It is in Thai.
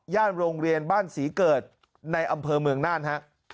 โรงเรียนบ้านศรีเกิดในอำเภอเมืองน่านฮะ